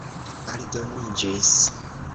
aldoniĝis